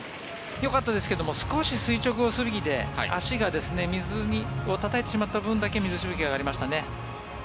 よかったですけども少し垂直を過ぎて足が水をたたいてしまった分だけ水しぶきが上がりましたね。